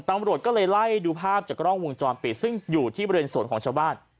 ตำรวจก็เลยไล่ดูภาพจากกล้องวงจรปิดซึ่งอยู่ที่บริเวณสวนของชาวบ้าน